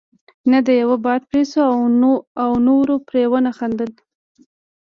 نو د يوه یې باد پرې شو او نورو پرې ونه خندل.